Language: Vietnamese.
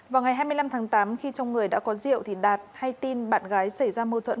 vào ngày hai mươi năm tháng tám khi trong người đã có rượu thì đạt hay tin bạn gái xảy ra mâu thuẫn